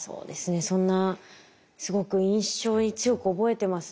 そんなすごく印象に強く覚えてますね。